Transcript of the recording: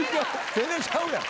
全然ちゃうやん！